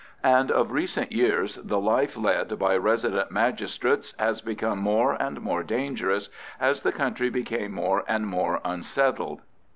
And of recent years the life led by Resident Magistrates has become more and more dangerous as the country became more and more unsettled.